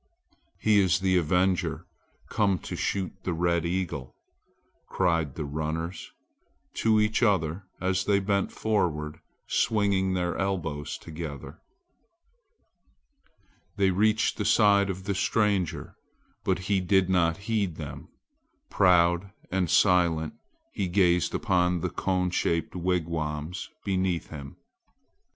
"He is the avenger come to shoot the red eagle," cried the runners to each other as they bent forward swinging their elbows together. They reached the side of the stranger, but he did not heed them. Proud and silent he gazed upon the cone shaped wigwams beneath him.